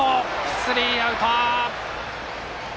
スリーアウト！